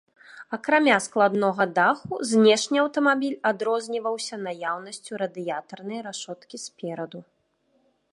Акрамя складнога даху, знешне аўтамабіль адрозніваўся наяўнасцю радыятарнай рашоткі спераду.